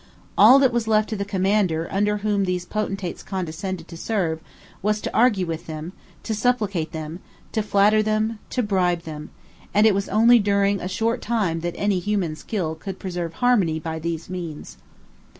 All that was left to the commander under whom these potentates condescended to serve was to argue with them, to supplicate them, to flatter them, to bribe them; and it was only during a short time that any human skill could preserve harmony by these means.